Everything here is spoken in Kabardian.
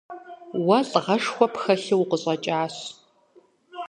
Уэ лӀыгъэшхуэ пхэлъу укъыщӀэкӀащ.